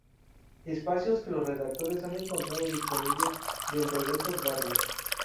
espacios que los redactores han encontrado disponibles, dentro de estos barrios.